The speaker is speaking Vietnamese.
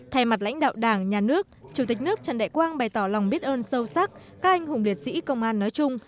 thay mặt lãnh đạo đảng nhà nước chủ tịch nước trần đại quang bày tỏ lòng biết ơn sâu sắc các anh hùng liệt sĩ công an nói chung